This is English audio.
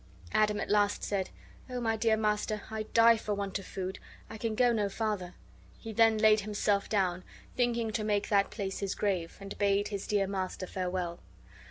Adam at last said: "O my dear master, I die for want of food. I can go no farther!" He then laid himself down, thinking to make that place his grave, and bade his dear master farewell.